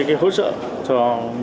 cho những cái công trình